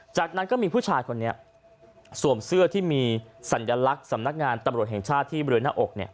จากนั้นก็มีผู้ชายคนนี้สวมเสื้อที่มีสัญลักษณ์สำนักงานตำรวจแห่งชาติที่บริเวณหน้าอก